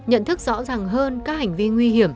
nhận thức rõ ràng hơn các hành vi nguy hiểm